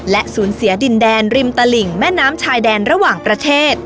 และสูญเสียดินแดนริมตลิ่งแม่น้ำชายแดนระหว่างประเทศ